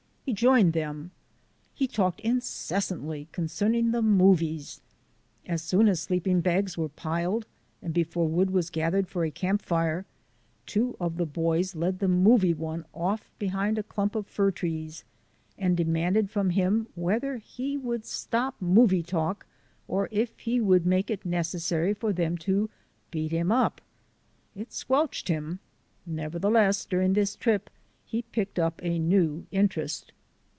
He joined them. He talked incessantly concerning the movies. As soon as sleeping bags were piled and before wood was gathered for a camp fire two of the boys led the movie one off behind a clump of fir trees and demanded from him whether he would stop movie talk or if he 162 THE ADVENTURES OF A NATURE GUIDE would make it necessary for them to beat him up. It squelched him. Nevertheless, during this trip he picked up a new interest.